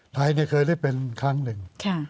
ไทยเคยได้เป็นครั้งหนึ่ง